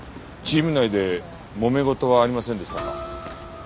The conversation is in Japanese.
チーム内でもめ事はありませんでしたか？